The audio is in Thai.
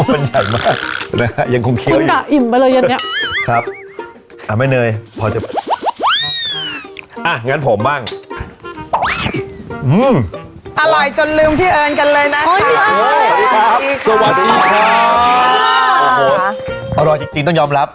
เพราะว่ามันใหญ่มาก